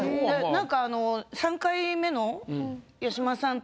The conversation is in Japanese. なんか３回目の八嶋さんと。